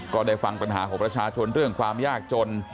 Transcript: ก็ได้ฟังปัญหาของประชาชนเรื่องความยากจน